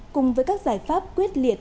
cùng với các giải pháp quyết liệt